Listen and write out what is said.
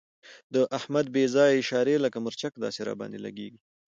د احمد بې ځایه اشارې لکه مرچک داسې را باندې لګېږي.